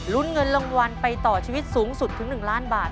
เงินรางวัลไปต่อชีวิตสูงสุดถึง๑ล้านบาท